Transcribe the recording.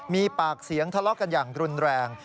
มีปากเสียงทะเลาะกันอย่างรุนแรง